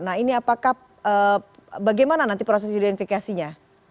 nah ini apakah bagaimana nanti proses identifikasinya